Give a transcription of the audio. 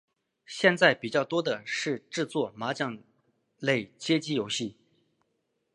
现在比较多的是制作麻将类街机游戏。